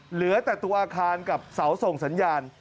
เหลือแต่ตัวอาคารกับเสาส่งสัญญาณ